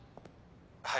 はい。